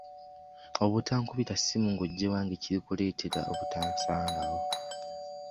Obutankubira ssimu nga ojja ewange kiri kuleetera obutansangawo.